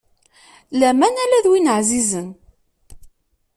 Laman ala d win ɛzizen.